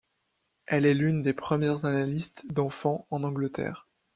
Elle est l'une des premières analystes d'enfants en Angleterre.